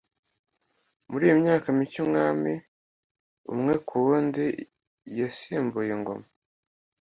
Muri iyo myaka mike, umwami umwe ku wundi yasimbuye ingoma.